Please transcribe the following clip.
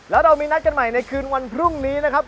แล้วเรามีนัดกันใหม่ในคืนวันพรุ่งนี้นะครับ